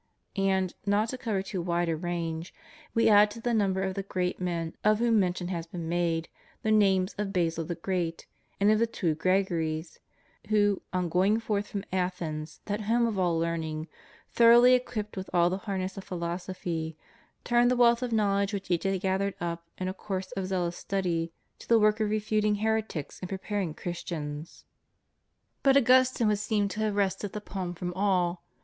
And, not to cover too wide a range, we add to the number of the great men of whom mention has been made the names of Basil the Great and of the two Gregories, who, on going forth from Athens, that home of all learning, thoroughly equipped with all the harness of philosophy, turned the wealth of knowledge which each had gathered up in a course of zealous study to the work of refuting heretics and preparing Christians. But Augustine would seem to have wrested the palm from all.